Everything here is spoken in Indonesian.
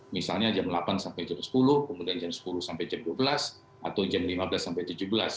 misalnya jam delapan sampai jam sepuluh kemudian jam sepuluh sampai jam dua belas atau jam lima belas sampai tujuh belas